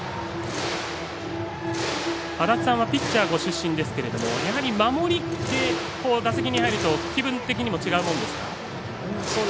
足達さんはピッチャーご出身ですが守りで打席に入ると気分的にも違うものですか。